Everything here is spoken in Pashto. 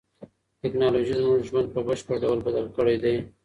تکنالوژي زموږ ژوند په بشپړ ډول بدل کړی دی.